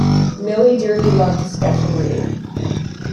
Millie dearly loved to sketch and read.